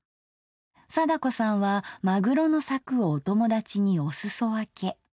貞子さんはまぐろのサクをお友達にお裾分け。